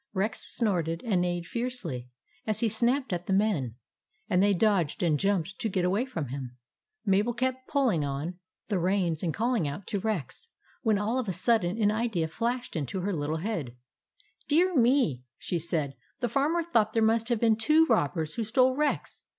Rex snorted and neighed fiercely, as he snapped at the men, and they dodged and jumped to get away from him. Mabel kept pulling on 7 o THE ADVENTURES OF MABEL the reins and calling out to Rex. when all of a sudden an idea flashed into her little head. " Dear me 1 " she said. " The Farmer thought there must have been two robbers who stole Rex.